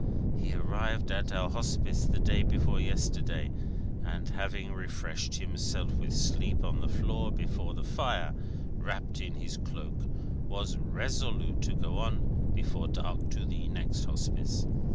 "He arrived at our Hospice the day before yesterday, and, having refreshed himself with sleep on the floor before the fire, wrapped in his cloak, was resolute to go on, before dark, to the next Hospice.